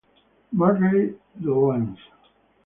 Marguerite de Lens.